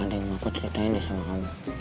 ada yang mau aku ceritain sama kamu